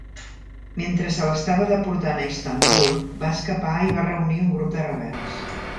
Mentre se l'estava deportant a Istanbul, va escapar i va reunir un grup de rebels.